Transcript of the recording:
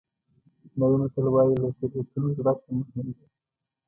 چینایي متل وایي له تېروتنو زده کړه مهم ده.